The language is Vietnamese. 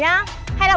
mắt vẫn lờm cô